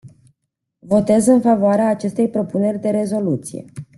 Votez în favoarea acestei propuneri de rezoluție.